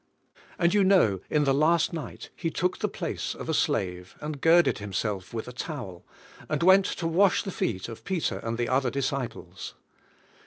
And you know, in the last night, He took the place of a slave, and girded Himself with a towel, and went to wash the feet of Peter and the other disciples.